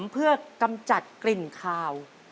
ขอเชยคุณพ่อสนอกขึ้นมาต่อชีวิตเป็นคนต่อชีวิต